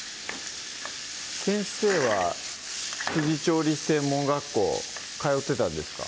先生は調理師専門学校通ってたんですか？